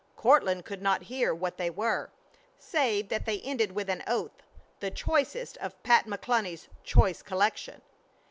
Courtland could not hear what they were save that they ended with an oath, the choicest of Pat Cluny's choice collection.